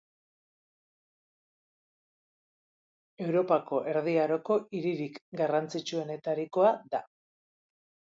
Europako erdi aroko hiririk garrantzitsuenetakoa da.